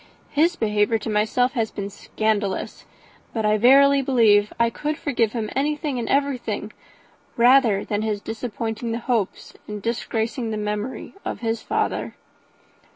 His behaviour to myself has been scandalous; but I verily believe I could forgive him anything and everything, rather than his disappointing the hopes and disgracing the memory of his father."